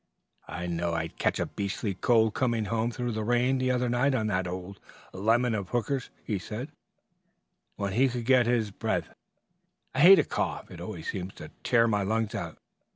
"I knew I'd catch a beastly cold coming home through the rain the other night on that old lemon of Hooker's," he said when he could get his breath. "I hate a cough; it always seems to tear my lungs out.